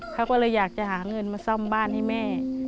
เขาก็เลยอยากจะหาเงินมาซ่อมบ้านให้แม่